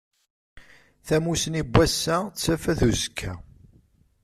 Tamusni n wass-a d tafat n uzekka